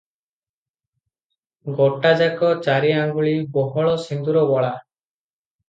ଗୋଟାଯାକ ଚାରିଆଙ୍ଗୁଳି ବହଳ ସିନ୍ଦୂରବୋଳା ।